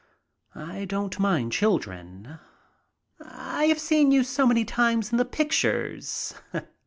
I don't mind children. "I have seen you so many times in the pictures."